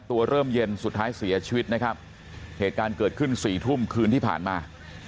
เริ่มเย็นสุดท้ายเสียชีวิตนะครับเหตุการณ์เกิดขึ้นสี่ทุ่มคืนที่ผ่านมา